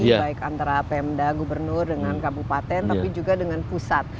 baik antara pemda gubernur dengan kabupaten tapi juga dengan pusat